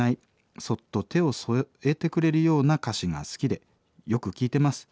そっと手を添えてくれるような歌詞が好きでよく聴いてます。